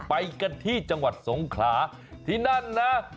ไปกันที่จังหวัดสงขลาที่นั่นนะ